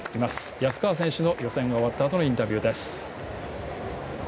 安川選手の予選が終わったあとのインタビューです。